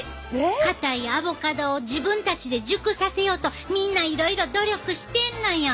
硬いアボカドを自分たちで熟させようとみんないろいろ努力してんのよ。